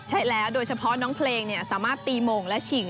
ใช่แล้วโดยเฉพาะน้องเพลงสามารถตีโมงและฉิง